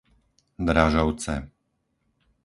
Dražovce